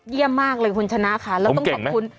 เยี่ยมมากเลยคุณชนะค่ะแล้วต้องขอบคุณ